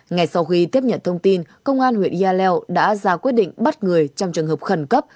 ngày sau khi tiếp nhận thông tin công an huyện nghia leo đã ra quyết định bắt người trong trường hợp khẩn cấp